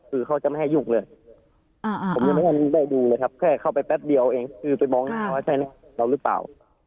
คือเขาจะไม่ให้ยุ่งเลยผมยังไม่ให้ได้ดูเลยครับแค่เข้าไปแป๊บเดียวเองคือไปมองหน้าว่าใช่นะเราหรือเปล่า